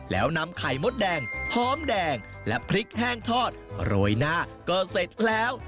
แล้วนำไข่มดแดงหอมแดงและพริกแห้งทอดโรยหน้าก็เสร็จแล้ว